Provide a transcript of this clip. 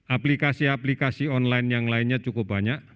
aplikasi aplikasi online yang lainnya cukup banyak